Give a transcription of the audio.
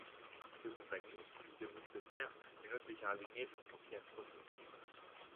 Deux compagnies, une de mousquetaires, une autre de carabiniers sont confiées à Frotet.